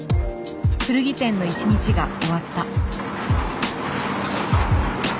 古着店の一日が終わった。